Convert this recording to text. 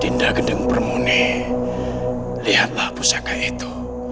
tindagendeng permuni lihatlah pusaka itu